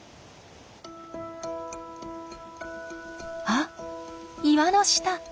あっ岩の下。